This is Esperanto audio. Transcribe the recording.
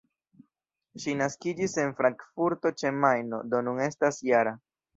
Ŝi naskiĝis en Frankfurto-ĉe-Majno, do nun estas -jara.